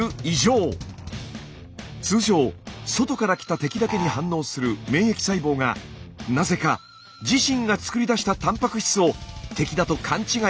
通常外から来た敵だけに反応する免疫細胞がなぜか自身がつくり出したたんぱく質を敵だと勘違いしやすいんです。